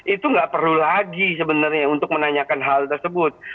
itu tidak perlu lagi sebenarnya untuk menanyakan hal tersebut